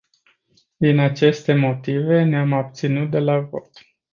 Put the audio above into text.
Din aceste motive ne-am abținut de la vot.